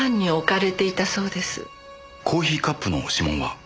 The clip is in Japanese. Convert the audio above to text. コーヒーカップの指紋は？